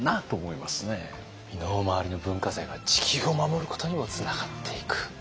身の回りの文化財が地球を守ることにもつながっていく。